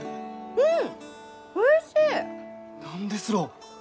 うん。